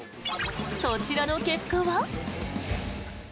そちらの結果は？